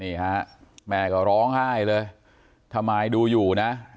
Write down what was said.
นี่ฮะแม่ก็ร้องไห้เลยทำไมดูอยู่นะ